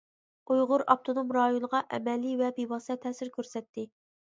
ئۇيغۇر ئاپتونوم رايونىغا ئەمەلىي ۋە بىۋاسىتە تەسىر كۆرسەتتى.